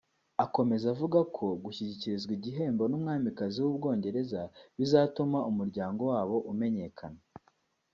Akomeza avuga ko gushyikirizwa igihembo n’umwamikazi w’ u Bwongereza bizatuma umuryango wabo umenyekana